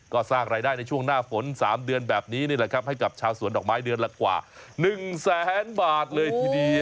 ก็สร้างรายได้ในช่วงหน้าฝน๓เดือนแบบนี้นี่แหละครับให้กับชาวสวนดอกไม้เดือนละกว่า๑แสนบาทเลยทีเดียว